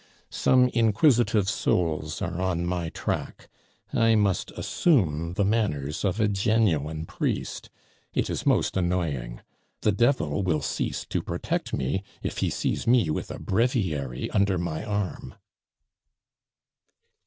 "Some inquisitive souls are on my track I must assume the manners of a genuine priest; it is most annoying. The Devil will cease to protect me if he sees me with a breviary under my arm."